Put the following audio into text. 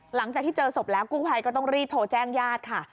หลังจากที่เจอศพแล้วกู้ภัยก็ต้องรีบโทรแจ้งญาติค่ะ